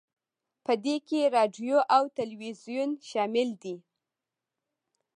په دې کې راډیو او تلویزیون شامل دي